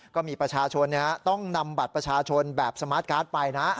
ก็มีประชาชนต้องนำบัตรประชาชนแบบสมาร์ทการ์ดไปนะ